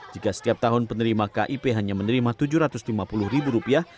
jika setiap tahun penerima kip hanya menerima tujuh ratus lima puluh ribu rupiah